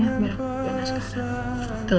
biar aku berjalan sekarang